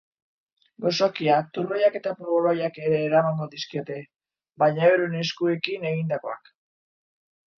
Gozokiak, turroiak eta polboroiak ere eramango dizkiote, baina euren eskuekin egindakoak.